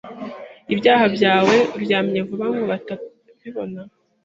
ibyaha byawe uryamye vuba ngobatabibona